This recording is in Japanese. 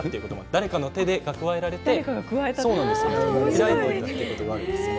誰かの手が加えられて開いていたということがあったそうです。